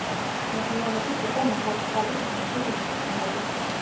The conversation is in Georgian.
მოგვიანებით იყო მაჰაჩყალის „ანჟის“ მწვრთნელი.